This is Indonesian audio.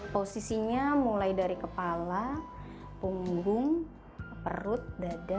posisinya mulai dari kepala punggung perut dada